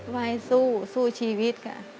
ไว้สู้สู้ชีวิตค่ะ